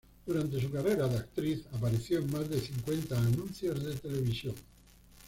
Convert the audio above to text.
Durante su carrera de actriz, apareció en más de cincuenta anuncios de televisión.